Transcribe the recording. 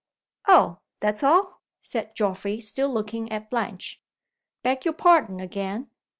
"Oh? That's all?" said Geoffrey still looking at Blanche. "Beg your pardon again.